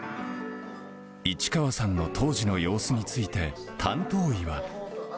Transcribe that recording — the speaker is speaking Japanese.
市川さんの当時の様子について、担当医は。